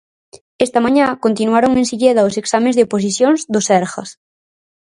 Esta mañá continuaron en Silleda os exames de oposicións do Sergas.